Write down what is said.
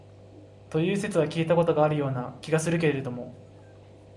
という説は聞いた事があるような気がするけれども、